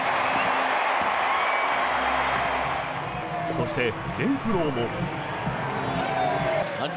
そして、レンフローも。